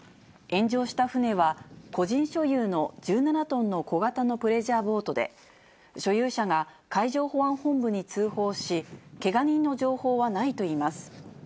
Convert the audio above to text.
炎上した船は、個人所有の１７トンの小型のプレジャーボートで、所有者が海上保安本部に通報し、けが人の情報はないといいます。